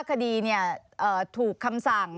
คดีเนี่ยถูกคำสั่ง